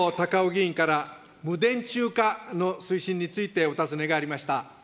議員から、無電柱化の推進についてお尋ねがありました。